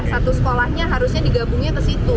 satu sekolahnya harusnya digabungnya ke situ